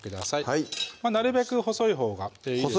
はいなるべく細いほうがいいです